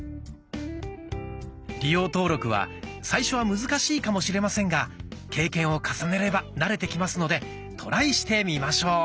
利用登録は最初は難しいかもしれませんが経験を重ねれば慣れてきますのでトライしてみましょう。